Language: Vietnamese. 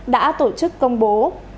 đã tổ chức công bố